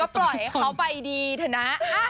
เออก็ปล่อยเขาไปดีเถอะนะ